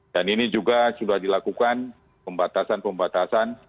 dan ini juga sudah dilakukan pembatasan pembatasan